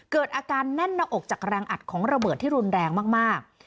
เกิดอาการแน่นหน้าอกจากแรงอัดของระเบิดที่รุนแรงมาก